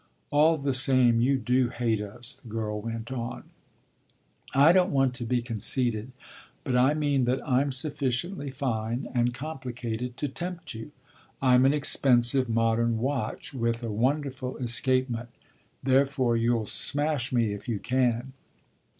"All the same you do hate us," the girl went on. "I don't want to be conceited, but I mean that I'm sufficiently fine and complicated to tempt you. I'm an expensive modern watch with a wonderful escapement therefore you'll smash me if you can."